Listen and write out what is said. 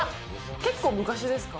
結構昔ですか？